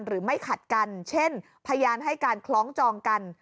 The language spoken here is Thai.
ไม่ขัดกันเช่นพยานให้การคล้องจองกัน